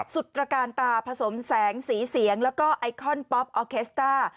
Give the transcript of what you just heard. สุดตรการตาผสมแสงสีเสียงแล้วก็ไอคอนป๊อปออเคสต้า